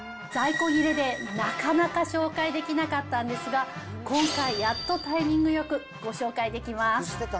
在庫切れでなかなか紹介できなかったんですが、今回やっとタイミングよくご紹介できます。